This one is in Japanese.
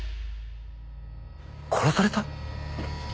殺された？